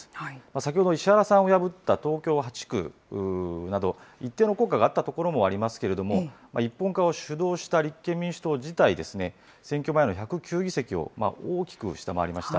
先ほど、石原さんを破った東京８区など、一定の効果があったところもありますけれども、一本化を主導した立憲民主党自体、選挙前の１０９議席を大きく下回りました。